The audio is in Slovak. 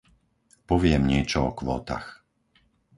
Poviem niečo o kvótach.